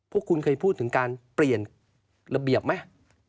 พวกคุณเคยพูดถึงการเปลี่ยนระเบียบไหม